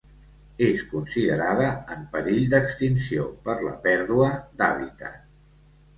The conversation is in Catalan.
És considerada en perill d'extinció per la pèrdua d'hàbitat.